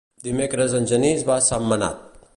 Dimecres en Genís va a Sentmenat.